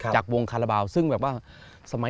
จากวงคาราบาลซึ่งแบบว่าสมัย